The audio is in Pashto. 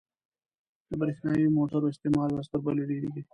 • د برېښنايي موټرو استعمال ورځ تر بلې ډېرېږي.